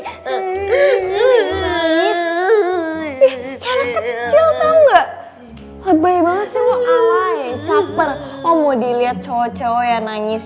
nangis nangis kecil enggak lebih banget sih woi caper om mau dilihat cowok cowok yang nangis